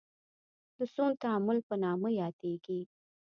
د سون تعامل په نامه یادیږي.